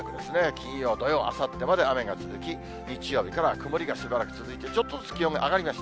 金曜、土曜、あさってまで雨が続き、日曜日から曇りがしばらく続いて、ちょっとずつ気温が上がります。